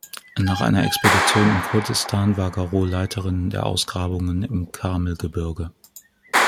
Nach einer Expedition in Kurdistan war Garrod Leiterin der Ausgrabungen im Karmelgebirge.